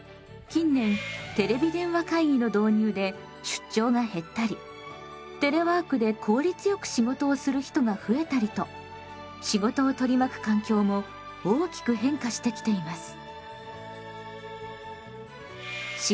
近年テレビ電話会議の導入で出張が減ったりテレワークで効率よく仕事をする人が増えたりと仕事を取り巻く環境も大きく変化してきています。